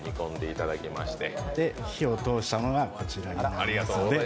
で、火を通したものがこちらになりますので。